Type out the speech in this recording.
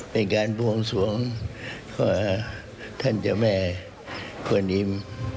เป็นการบวงสวงท่านเจ้าแม่ครัวนิม